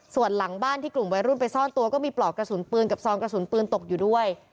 ส่วนหลังบ้านที่กลุ่มวัยรุ่นไปซ่อนตัวก็มีปลอกกระสุนปืนกับซองกระสุนปืนตกอยู่ด้วย